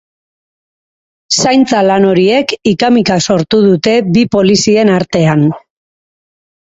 Zaintza lan horiek hika-mika sortu dute bi polizien artean.